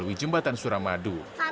melalui jembatan suramadu